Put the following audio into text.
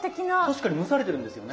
確かに蒸されてるんですよね。